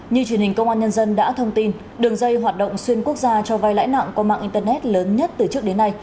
như truyền hình công an nhân dân đã thông tin đường dây hoạt động xuyên quốc gia cho vai lãi nặng qua mạng internet lớn nhất từ trước đến nay